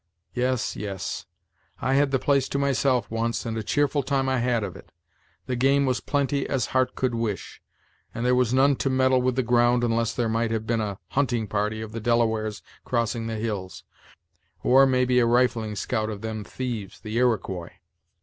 Yes, yes; I had the place to myself once, and a cheerful time I had of it. The game was plenty as heart could wish; and there was none to meddle with the ground unless there might have been a hunting party of the Delawares crossing the hills, or, maybe, a rifling scout of them thieves, the Iroquois.